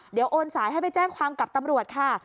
เดี๋ยวโอนสายให้ไปแจ้งความกับตำรวจค่ะ